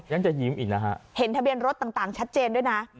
ยังจะยิ้มอีกนะฮะเห็นทะเบียนรถต่างชัดเจนด้วยนะ